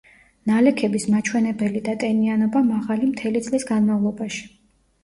ნალექების მაჩვენებელი და ტენიანობა მაღალი მთელი წლის განმავლობაში.